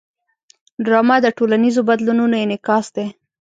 ډرامه د ټولنیزو بدلونونو انعکاس دی